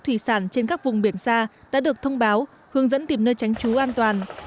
thủy sản trên các vùng biển xa đã được thông báo hướng dẫn tìm nơi tránh trú an toàn